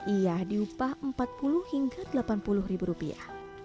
ia diupah empat puluh hingga delapan puluh ribu rupiah